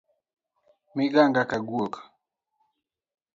Miganga ka guok